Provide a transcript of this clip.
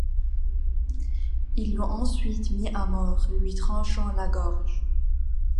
Ils l'ont ensuite mis à mort, lui tranchant la gorge.